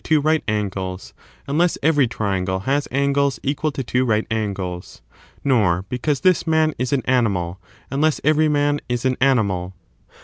^^^^^ right angles, unless every triangle has angles equal to two right angles; nor because this man is an ^mal, imless every man is an animal.